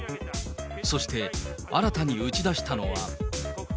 そして、新たに打ち出したのは。